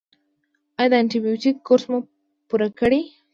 ایا د انټي بیوټیک کورس مو پوره کړی؟